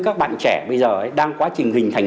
các bạn trẻ bây giờ đang quá trình hình thành